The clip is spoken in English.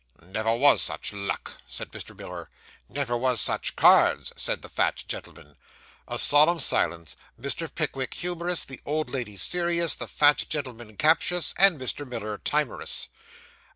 'Never was such luck,' said Mr. Miller. 'Never was such cards,' said the fat gentleman. A solemn silence; Mr. Pickwick humorous, the old lady serious, the fat gentleman captious, and Mr. Miller timorous.